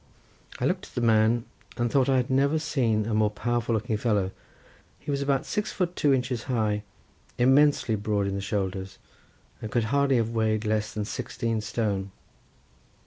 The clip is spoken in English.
I looked at the man, and thought I had never seen a more powerful looking fellow; he was about six feet two inches high, immensely broad in the shoulders, and could hardly have weighed less than sixteen stone.